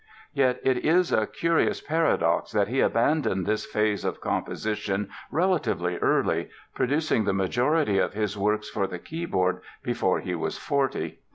Yet it is a curious paradox that he abandoned this phase of composition relatively early, producing the majority of his works for the keyboard before he was forty.